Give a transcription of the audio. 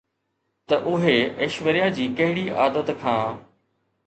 ته اهي ايشوريا جي ڪهڙي عادت کان